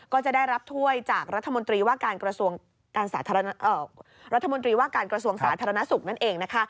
ก็จะได้รับถ้วยจากรัฐมนตรีว่าการกระทรวงสาธารณสุขนั่นเอง